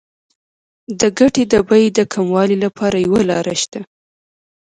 د ګټې د بیې د کموالي لپاره یوه لار شته